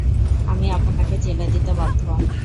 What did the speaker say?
আমি আপনাকে জেলে দিতে বাধ্য।